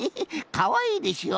かわいいでしょ？